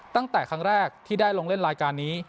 ตั้งแต่ครั้งแรกที่ได้ลงเล่นรายการนี้